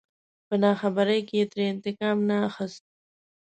په ناخبرۍ کې يې ترې انتقام نه اخست.